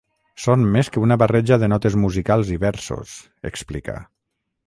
Són més que una barreja de notes musicals i versos, explica.